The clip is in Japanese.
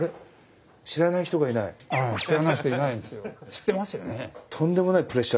知ってますよね？